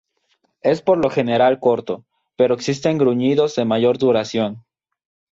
Es por lo general corto, pero existen gruñidos de mayor duración.